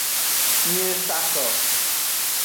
Nyi e sa ko.